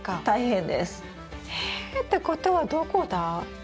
大変です。え？ってことはどこだ？